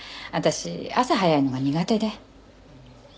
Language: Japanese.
私朝早いのが苦手で。